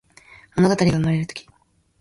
ものがたりがうまれるとき